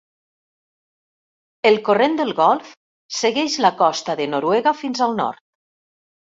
El Corrent del Golf segueix la costa de Noruega fins al nord.